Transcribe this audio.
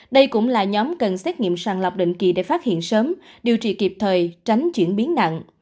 đây cũng là nhóm cần xét nghiệm sàng lọc định kỳ để phát hiện sớm điều trị kịp thời tránh chuyển biến nặng